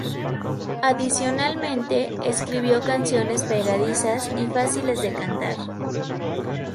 Adicionalmente, escribió canciones pegadizas y fáciles de cantar.